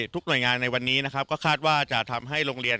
ทุกหน่วยงานในวันนี้นะครับก็คาดว่าจะทำให้โรงเรียน